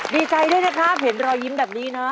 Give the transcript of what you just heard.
ดีใจด้วยนะครับเห็นรอยยิ้มแบบนี้นะ